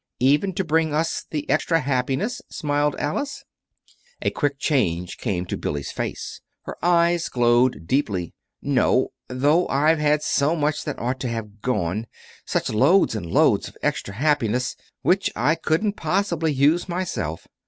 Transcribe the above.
"Even to bring us the extra happiness?" smiled Alice. A quick change came to Billy's face. Her eyes glowed deeply. "No; though I've had so much that ought to have gone such loads and loads of extra happiness, which I couldn't possibly use myself!